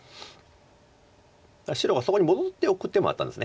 白がそこに戻っておく手もあったんです